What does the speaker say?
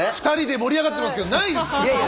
２人で盛り上がってますけどないですよ！